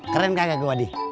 keren kagak gue di